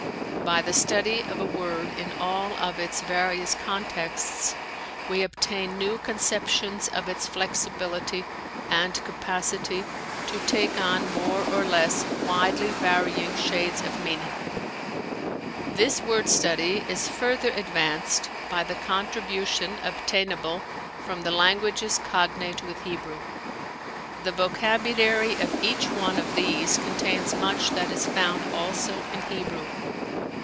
By the study of a word in all of its various contexts we obtain new conceptions of its flexibility and capacity to take on more or less widely varying shades of meaning. This word study is further advanced by the contribution obtainable from the languages cognate with Hebrew. The vocabulary of each one of these contains much that is found also in Hebrew.